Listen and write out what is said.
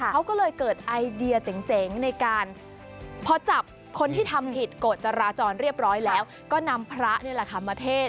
เขาก็เลยเกิดไอเดียเจ๋งในการพอจับคนที่ทำผิดกฎจราจรเรียบร้อยแล้วก็นำพระนี่แหละค่ะมาเทศ